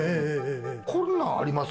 こんなんあります？